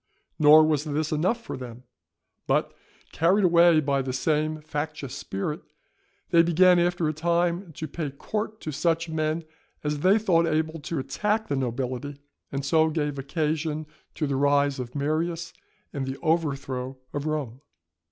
Nor was this enough for them, but, carried away by the same factious spirit, they began after a time to pay court to such men as they thought able to attack the nobility, and so gave occasion to the rise of Marius and the overthrow of Rome.